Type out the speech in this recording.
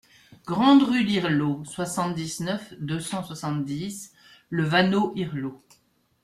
Grande Rue d'Irleau, soixante-dix-neuf, deux cent soixante-dix Le Vanneau-Irleau